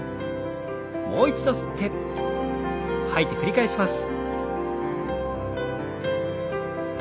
もう一度吸って吐いて繰り返します。